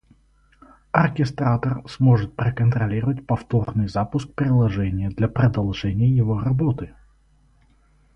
Оркестратор сможет проконтролировать повторный запуск приложения для продолжения его работы